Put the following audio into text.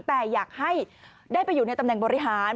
แต่อยากให้ได้ไปอยู่ในตำแหน่งบริหาร